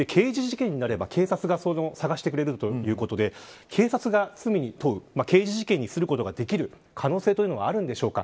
刑事事件になれば警察が捜してくれるということで警察が罪に問う刑事事件にすることができる可能性があるんでしょうか。